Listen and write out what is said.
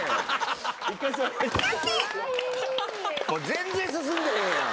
全然進んでへんやん。